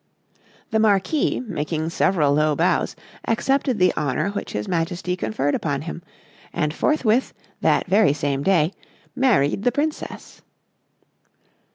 The Marquis making several low bows, accepted the honour which his Majesty conferred upon him, and forthwith, that very same day, married the Princess.